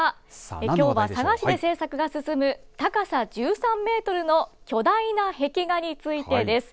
きょうは佐賀市で制作が進む高さ１３メートルの巨大な壁画についてです。